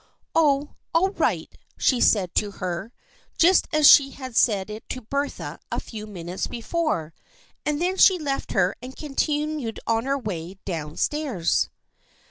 " Oh, all right," she said to her, just as she had said it to Bertha a few minutes before, and then she left her and continued on her way down stairs.